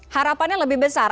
harapannya lebih besar